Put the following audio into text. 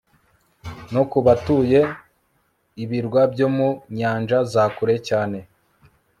no ku batuye ibirwa byo mu nyanja za kure cyane